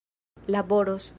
laboros